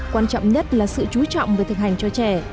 quan trọng nhất là sự trú trọng được thực hành cho trẻ